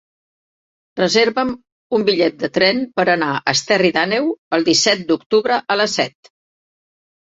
Reserva'm un bitllet de tren per anar a Esterri d'Àneu el disset d'octubre a les set.